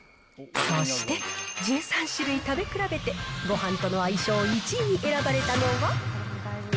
そして、１３種類食べ比べてごはんとの相性１位に選ばれたのは。